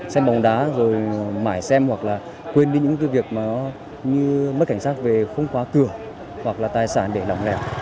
xem bóng đá rồi mãi xem hoặc là quên đi những việc như mất cảnh sát về khung quá cửa hoặc là tài sản để lỏng lẻ